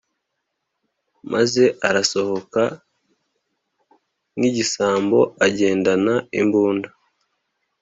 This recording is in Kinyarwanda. maze arasohoka nkigisambo agendana imbunda